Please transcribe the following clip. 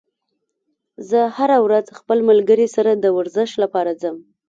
زه هره ورځ خپل ملګري سره د ورزش لپاره ځم